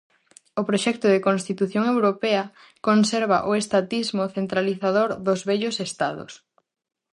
O proxecto de constitución europea conserva o estatismo centralizador dos vellos estados.